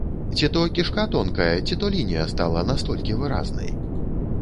Ці то кішка тонкая, ці то лінія стала настолькі выразнай?